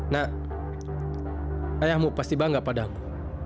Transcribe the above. nak ayahmu pasti bangga padamu